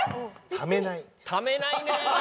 ためないねえ。